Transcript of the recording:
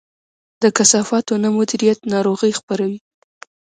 د کثافاتو نه مدیریت ناروغي خپروي.